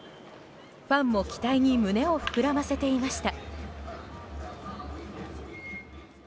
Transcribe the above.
ファンも期待に胸を膨らませていました。